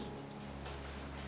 wah itu sih gue nggak tahu ya